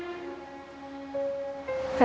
ibu adalah l kris